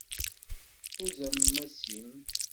Huzz ammas-im.